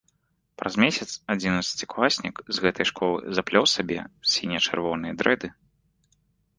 Праз месяц адзінаццацікласнік з гэтай школы заплёў сабе сіне-чырвоныя дрэды.